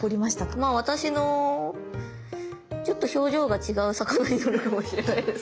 まあ私のちょっと表情が違う魚になるかもしれないです。